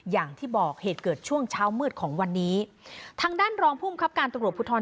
อย่างที่บอกเหตุเกิดช่วงเช้ามืดของวันนี้ทางด้านรองภูมิครับการตรวจภูทร